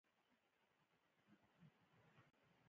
آیا بمبارډیر یو مشهور شرکت نه دی؟